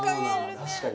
確かに。